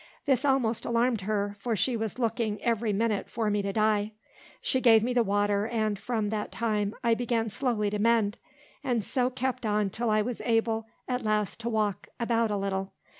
This almost alarmed her, for she was looking every minute for me to die. She gave me the water, and, from that time, I began slowly to mend, and so kept on till I was able at last to walk about a little.